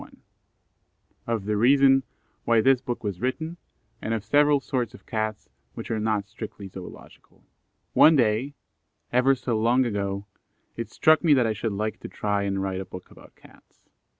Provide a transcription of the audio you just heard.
] Of the reason why this Book was written, and of several sorts of Cats which are not strictly Zoological. One day, ever so long ago, it struck me that I should like to try and write a book about Cats.